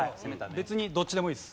別にどっちでもいいです。